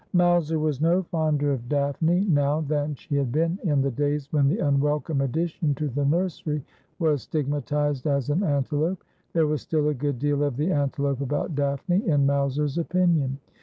Mowser was no fonder of Daphne now than she had been in the days when the unwelcome addition to the nursery was stig matised as an ' antelope.' There was still a good deal of the antelope about Daphne, in Mowser's opinion.